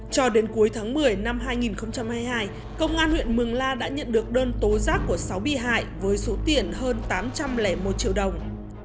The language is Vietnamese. cho đến cuối tháng một mươi năm hai nghìn hai mươi hai công an huyện mường la đã nhận được đơn tố giác của sáu bị hại với số tiền hơn tám trăm linh một triệu đồng